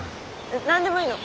何でもいいの。